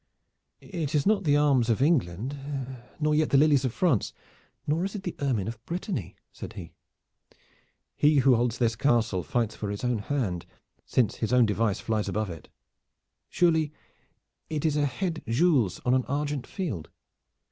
"It is not the arms of England, nor yet the lilies of France, nor is it the ermine of Brittany," said he. "He who holds this castle fights for his own hand, since his own device flies above it. Surely it is a head gules on an argent field."